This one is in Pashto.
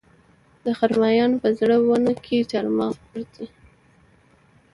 خرمایانو په زړه ونه کې چارمغز پټ کړي وو